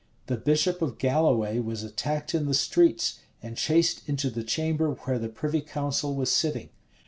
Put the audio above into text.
The bishop of Galloway was attacked in the streets, and chased into the chamber where the privy council was sitting.